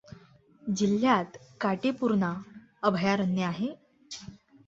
जिल्ह्यात काटेपूर्णा अभयारण्य आहे.